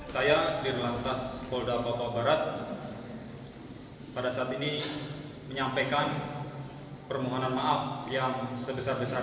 saya direkturat lalu lintas polda papua barat pada saat ini menyampaikan permohonan maaf yang sebesar besar